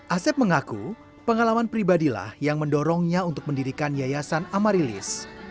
asep mengaku pengalaman pribadilah yang mendorongnya untuk mendirikan yayasan amarilis